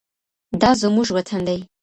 دا زموږ وطن دی.